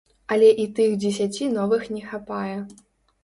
Але і тых дзесяці новых не хапае.